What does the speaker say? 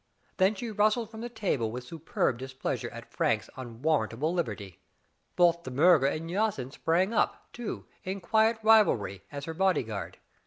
*' Then she rustled from the table with superb displeasure at Frank's unwarrantable liberty. Both De Miirger and Jacynth sprang up, too, in quick rivalry, as her bodyguard.